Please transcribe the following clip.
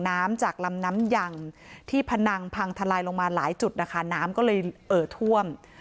น้ำจากลำน้ำยังที่พนังพังทลายลงมาหลายจุดนะคะน้ำก็เลยเอ่อท่วม